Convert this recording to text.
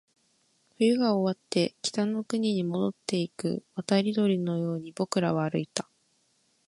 冬が終わって、北の国に戻っていく渡り鳥のように僕らは歩いた